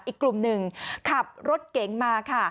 อีกกลุ่มหนึ่งขับรถเก๋งมาค่ะ